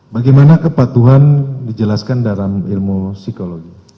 bagaimana kepatuhan dijelaskan dalam ilmu psikologi